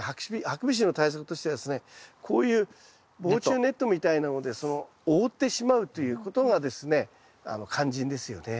ハクビシンの対策としてはですねこういう防虫ネットみたいなので覆ってしまうということがですね肝心ですよね。